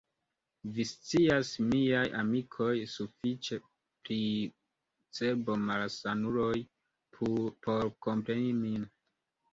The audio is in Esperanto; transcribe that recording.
Vi scias, miaj amikoj, sufiĉe pri cerbomalsanuloj, por kompreni min.